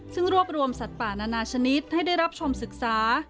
ซึ่งรวบรวมสัตว์ป่านานาชนิดให้ได้รับชมศึกษา